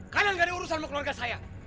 kalian gak ada urusan sama keluarga saya